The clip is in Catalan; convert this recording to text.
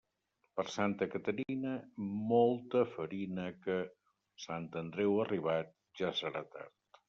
Per Santa Caterina, mol ta farina que, Sant Andreu arribat, ja serà tard.